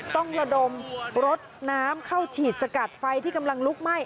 ต้องระดมรถน้ำเข้าฉีดสกัดไฟที่กำลังลุกไหม้